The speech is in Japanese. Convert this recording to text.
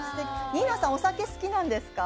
ニーナさん、お酒好きなんですか？